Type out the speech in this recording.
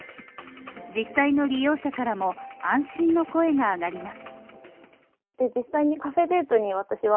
実際の利用者からも安心の声が上がります。